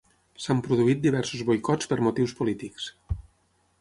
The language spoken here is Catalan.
S'han produït diversos boicots per motius polítics.